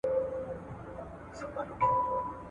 آیا په دې لاره کي د ډسپلین شتون مهم دی؟